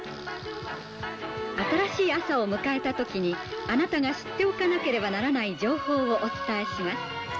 新しい朝を迎えたときに、あなたが知っておかなければならない情報をお伝えします。